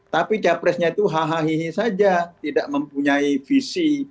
tapi capresnya itu hahahihi saja tidak mempunyai visi